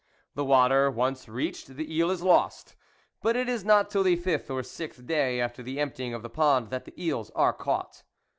The water once reached, the eel is lost ; but it is not till the fifth or sixth day after the emptying of the pond, that the eels are caught.